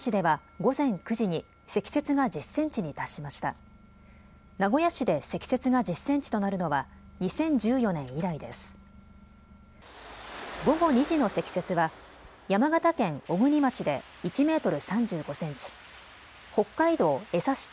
午後２時の積雪は山形県小国町で１メートル３５センチ、北海道枝幸町